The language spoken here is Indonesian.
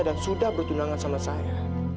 dan sudah bertunangan sama saya